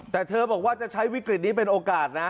แต่เธอบอกว่าจะใช้วิกฤตนี้เป็นโอกาสนะ